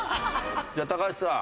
じゃあ橋さん。